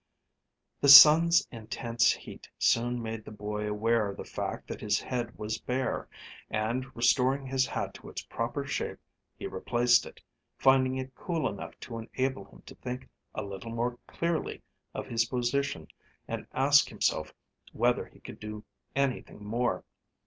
The sun's intense heat soon made the boy aware of the fact that his head was bare, and restoring his hat to its proper shape he replaced it, finding it cool enough to enable him to think a little more clearly of his position and ask himself whether he could do anything more.